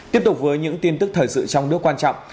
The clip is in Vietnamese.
tiếp tục với những tin tức thời sự trong nước quan trọng